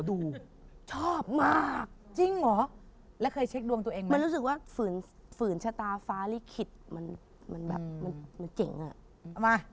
อุ๊ยยังไม่อยากเป็นอะไร